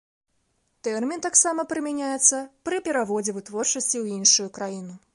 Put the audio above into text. Тэрмін таксама прымяняецца пры пераводзе вытворчасці ў іншую краіну.